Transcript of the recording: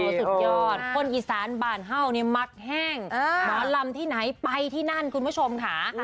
สุดยอดคนอีสานบ้านเห่าเนี่ยมักแห้งหมอลำที่ไหนไปที่นั่นคุณผู้ชมค่ะ